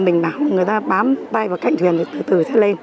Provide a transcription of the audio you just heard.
mình bảo người ta bám tay vào cạnh thuyền thì từ từ sẽ lên